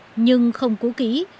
bóng bẫy nhưng không cúi chặt